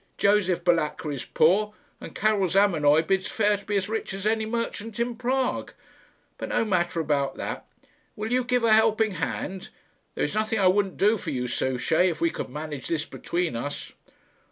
Josef Balatka is poor, and Karil Zamenoy bids fair to be as rich as any merchant in Prague. But no matter about that. Will you give a helping hand? There is nothing I wouldn't do for you, Souchey, if we could manage this between us."